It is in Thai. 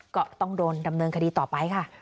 ก็ต้องโดนดำเนินคดีต่อไปค่ะ